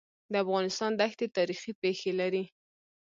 د افغانستان دښتي تاریخي پېښې لري.